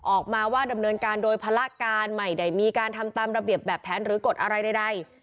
ออกมาว่าดำเนินการโดยภาระการไม่ได้มีการทำตามระเบียบแบบแผนหรือกฎอะไรใด